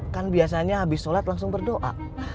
kan biasanya habis sholat langsung berdoa